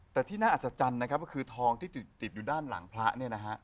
แต่ที่น่าอัศจรรย์นะครับก็คือทองที่ติดอยู่ด้านหลังพระเนี่ยนะฮะ